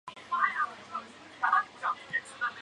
磁化学即研究分子原子中特性与磁学相关的化学问题。